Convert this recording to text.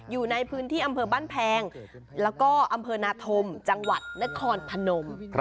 อยู่ในพื้นที่อำเภอบ้านแพงแล้วก็อำเภอนาธมจังหวัดนครพนม